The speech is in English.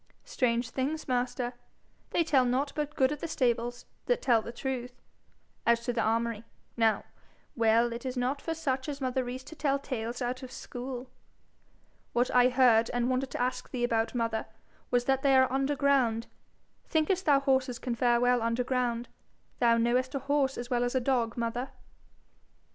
'Strange things, master? They tell nought but good of the stables that tell the truth. As to the armoury, now well it is not for such as mother Rees to tell tales out of school.' 'What I heard, and wanted to ask thee about, mother, was that they are under ground. Thinkest thou horses can fare well under ground? Thou knowest a horse as well as a dog, mother.'